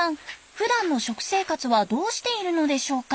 ふだんの食生活はどうしているのでしょうか？